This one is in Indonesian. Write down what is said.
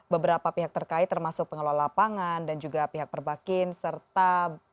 beberapa pihak terkait termasuk pengelola lapangan dan juga pihak perbakin serta